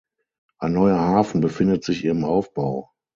Ein neuer Hafen befindet sich im Aufbau.